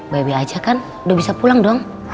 bebe aja kan udah bisa pulang dong